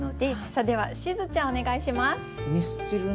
さあではしずちゃんお願いします。